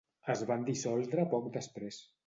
Es van dissoldre poc després.